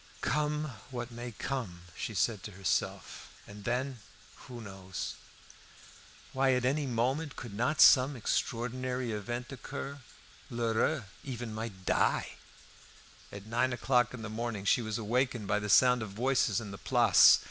"Come what may come!" she said to herself. "And then, who knows? Why, at any moment could not some extraordinary event occur? Lheureux even might die!" At nine o'clock in the morning she was awakened by the sound of voices in the Place.